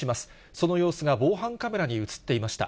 その様子が防犯カメラに写っていました。